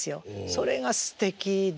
それがすてきで。